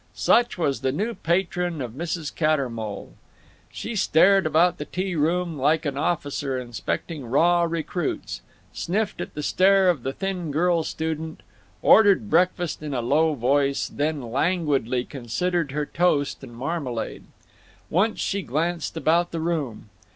Such was the new patron of Mrs. Cattermole. She stared about the tea room like an officer inspecting raw recruits, sniffed at the stare of the thin girl student, ordered breakfast in a low voice, then languidly considered her toast and marmalade. Once she glanced about the room.